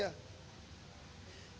kalau harga taksi